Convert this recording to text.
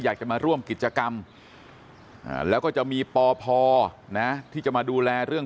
อยากจะมาร่วมกิจกรรมแล้วก็จะมีปพนะที่จะมาดูแลเรื่อง